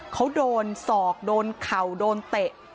เขาโดนศอกโดนเข่าโดนเตะ